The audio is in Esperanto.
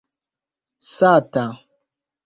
sata